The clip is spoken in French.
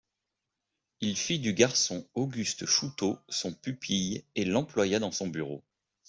Il fit du garçon, Auguste Chouteau, son pupille et l’employa dans son bureau.